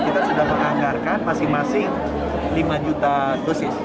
kita sudah menganggarkan masing masing lima juta dosis